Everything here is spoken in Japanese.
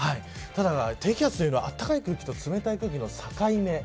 ただ、低気圧というのは暖かい空気と冷たい空気の境目